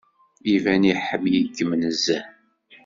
Iban iḥemmel-ikem nezzeh..